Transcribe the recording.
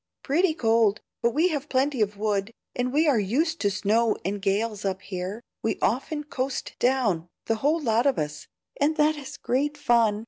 "Pretty cold, but we have plenty of wood, and we are used to snow and gales up here. We often coast down, the whole lot of us, and that is great fun.